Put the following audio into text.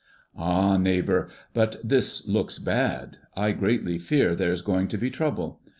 "Ah, neighbor, but this looks bad. I greatly fear there is going to be trouble.